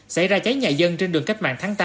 xảy ra cháy nhà dân trên đường cách mạng tháng tám